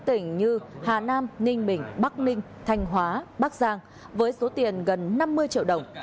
tỉnh như hà nam ninh bình bắc ninh thanh hóa bắc giang với số tiền gần năm mươi triệu đồng